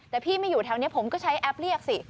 แต่พี่ไม่อยู่แถวนี้ผมก็ใช้แอปเรียกสิ